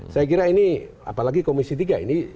saya kira ini apalagi komisi tiga ini